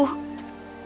ayah harus percaya padaku